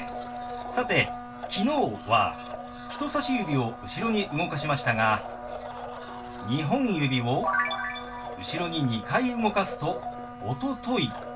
さて「昨日」は人さし指を後ろに動かしましたが２本指を後ろに２回動かすと「おととい」。